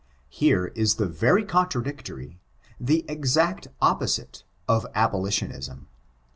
Here is the veiy contradictory — the exact opposite of abolitionism.